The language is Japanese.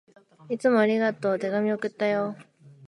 いつもありがとう。手紙、送ったよ。